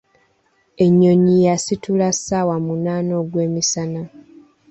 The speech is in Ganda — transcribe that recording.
Ennyonyi yasitula ssawa munaana ogw'emisana.